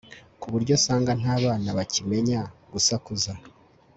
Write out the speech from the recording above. ku buryou sanga nta bana bakimenya gusakuza